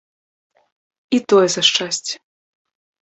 І тое за шчасце.